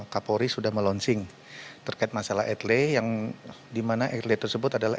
kapolri sudah melunching terkait masalah edley yang dimana edley tersebut adalah